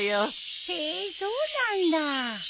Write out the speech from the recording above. へえそうなんだぁ。